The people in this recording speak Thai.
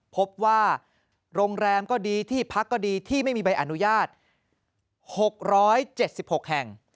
พบว่าโรงแรมก็ดีที่พักก็ดีที่ไม่มีใบอนุญาต๖๗๖แห่ง